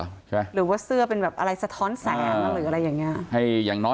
หรือว่าเสื้อเป็นอะไรอย่างอะไรแสนเราหรืออย่างนี้